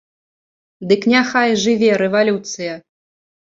Дык няхай жыве рэвалюцыя!